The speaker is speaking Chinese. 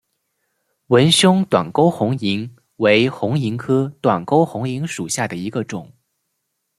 纹胸短沟红萤为红萤科短沟红萤属下的一个种。